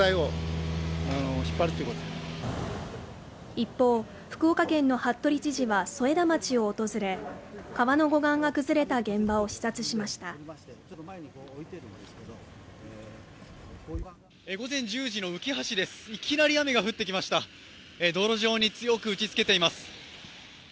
一方、福岡県の服部知事は添田町を訪れ、川の護岸が崩れた現場を視察しました午前１０時ですいきなり雨が降ってきました道路上に強く打ち付けています。